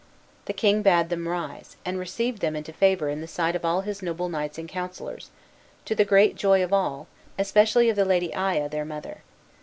The king bade them rise, and received them into favor in the sight of all his noble knights and counsellors, to the great joy of all, especially of the Lady Aya, their mother.